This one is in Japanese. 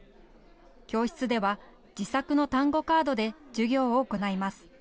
教室では、自作の単語カードで授業を行います。